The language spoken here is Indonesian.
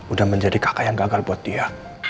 udah menjadi kakak yang gagal buat dia